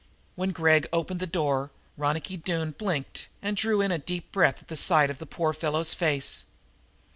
When Gregg opened the door Ronicky Doone blinked and drew in a deep breath at the sight of the poor fellow's face.